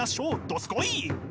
どすこい！